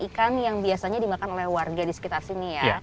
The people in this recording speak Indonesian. ikan yang biasanya dimakan oleh warga di sekitar sini ya